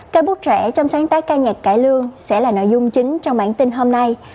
cây bút trẻ trong sáng tác ca nhạc cải lương sẽ là nội dung chính trong bản tin hôm nay